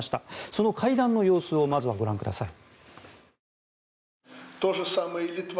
その会談の様子をまずはご覧ください。